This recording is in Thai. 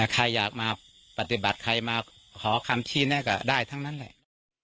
ใครอยากมาปฏิบัติใครมาขอคำชี้แน่ก็ได้ทั้งนั้นแหละ